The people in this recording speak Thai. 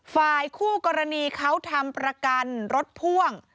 ฝ่ายคู่กรณีเขาทำประกันรถพ่วง